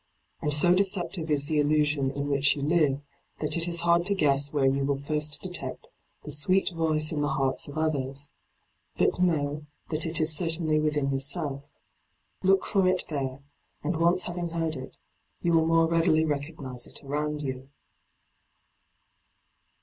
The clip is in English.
And so deceptive is the illusion in which you live, that it is hard to guess where you will first detect the sweet voice in the hearts of others. But know that it is certainly within yourself. Look for it there, and once having heard it, you will more readily recognise it around you.